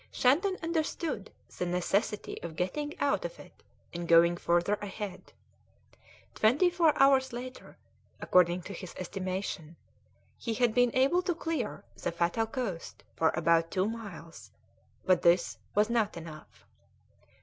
Shandon understood the necessity of getting out of it and going further ahead. Twenty four hours later, according to his estimation, he had been able to clear the fatal coast for about two miles, but this was not enough.